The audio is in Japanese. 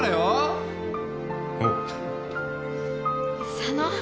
佐野。